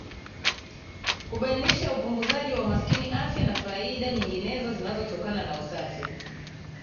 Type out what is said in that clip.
Kubainisha upunguzaji wa umaskini afya na faida nyinginezo zinazotokana na usafi